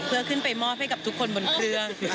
เพื่อขึ้นไปมอบให้กับทุกคนบนเครื่อง